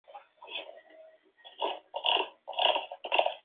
Fabian Busch nació y se crio en Berlín Este.